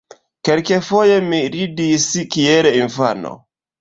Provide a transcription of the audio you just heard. Kelkfoje mi ridis kiel infano.